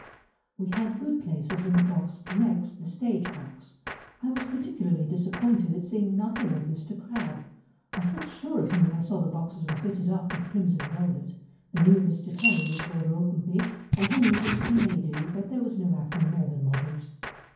"We had good places in the box next the stage box.... I was particularly disappointed at seeing nothing of Mr. Crabbe. I felt sure of him when I saw the boxes were fitted up with crimson velvet. The new Mr. Terry was Lord Ogleby, and Henry thinks he may do, but there was no acting more than moderate."